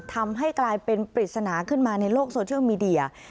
ทำให้กลายเป็นปริศนาขึ้นมาในโลกโซเชียลมีเดีย